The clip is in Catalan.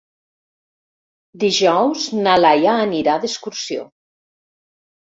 Dijous na Laia anirà d'excursió.